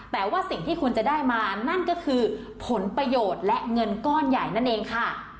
แต่ว่าสิ่งที่คุณจะได้มานั่นก็คือผลประโยชน์และเงินก้อนใหญ่นั่นเองค่ะ